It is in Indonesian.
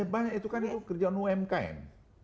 banyak itu kan kerjaan umkm